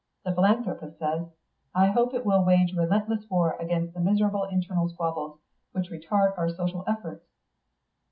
The philanthropist says, 'I hope it will wage relentless war against the miserable internal squabbles which retard our social efforts.